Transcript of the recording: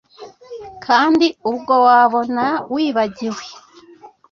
kandi ubwo wabona wibagiwe